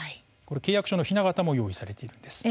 契約書のひな型も用意されているんです。